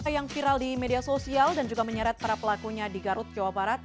yang viral di media sosial dan juga menyeret para pelakunya di garut jawa barat